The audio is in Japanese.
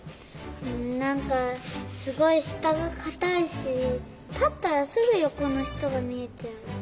なんかすごいしたがかたいしたったらすぐよこのひとがみえちゃう。